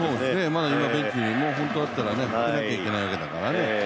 まだベンチに、本当だったら出なきゃいけないときですからね。